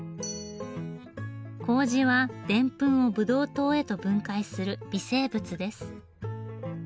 麹はデンプンをブドウ糖へと分解する微生物です。